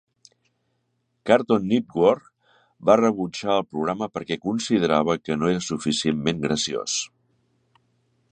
Cartoon Network va rebutjar el programa perquè considerava que no era suficientment graciós.